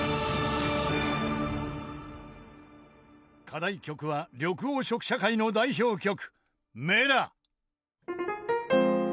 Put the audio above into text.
［課題曲は緑黄色社会の代表曲『Ｍｅｌａ！』］